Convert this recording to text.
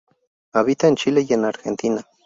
Habita en Chile y en Argentina.